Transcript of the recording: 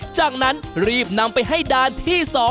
จากนั้นรีบนำไปให้ด่านที่๒